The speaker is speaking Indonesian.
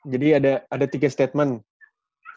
jadi ada tiga statement